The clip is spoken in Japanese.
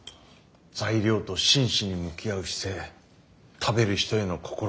材料と真摯に向き合う姿勢食べる人への心配り